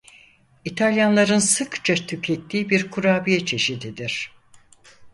İtalyanların sıkça tükettiği bir kurabiye çeşididir.